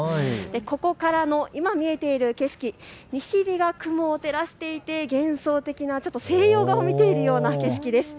ここから今見えている景色、西日が雲を照らしていて幻想的な西洋画を見ているような景色です。